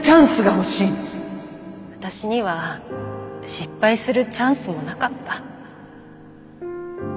私には失敗するチャンスもなかった。